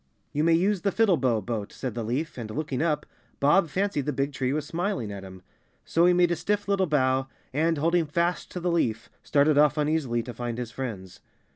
"You may use the Fiddlebow Boat," said the leaf and, looking up, Bob fancied the big tree was smiling at him. So he made a stiff little bow and, holding fast to the leaf, started off uneasily to find his friends.